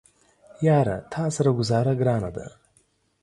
یاره تاسره ګوزاره ګرانه ده